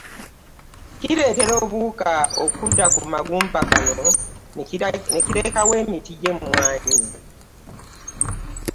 Kireetera obuwuka okudda ku magumba gano ne galekawo emiti gy’emwanyi